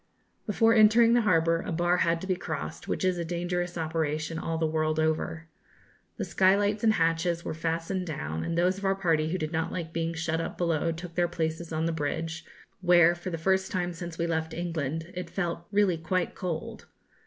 Before entering the harbour, a bar had to be crossed, which is a dangerous operation all the world over. The skylights and hatches were fastened down, and those of our party who did not like being shut up below took their places on the bridge, where, for the first time since we left England, it felt really quite cold.